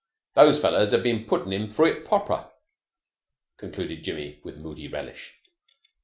Those fellers 'ad been putting 'im froo it proper," concluded Jimmy with moody relish.